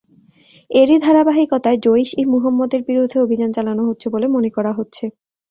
এরই ধারাবাহিকতায় জইশ-ই-মুহাম্মদের বিরুদ্ধে অভিযান চালানো হচ্ছে বলে মনে করা হচ্ছে।